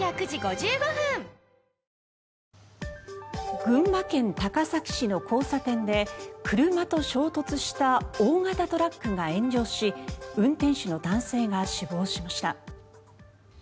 群馬県高崎市の交差点で車と衝突した大型トラックが炎上し運転手の男性が死亡しました。